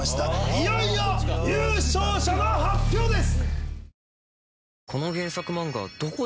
いよいよ優勝者の発表です！